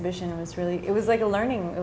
pemerintah pertama itu